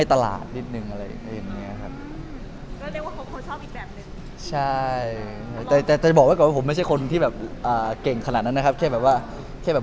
ก็เรียกว่าคอมค์คอยชอบอีกแบบเลย